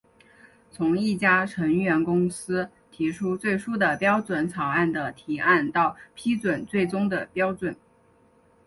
从一家成员公司提出最初的标准草案的提案到批准最终的标准。